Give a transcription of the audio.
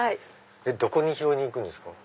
どこに拾いに行くんですか？